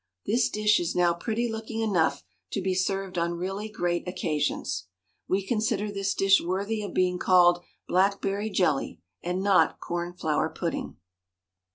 This dish is now pretty looking enough to be served on really great occasions. We consider this dish worthy of being called blackberry jelly, and not corn flour pudding.